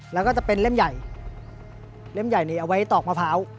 แล้วก็จะเป็นเล่มใหญ่เล่มใหญ่นี้เอาไว้ตอกมะพร้าว